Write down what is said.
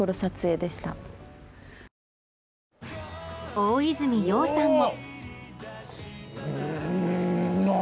大泉洋さんも。